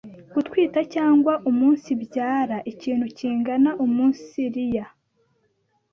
gutwita cg umunsibyara ikintu kingana umunsiriya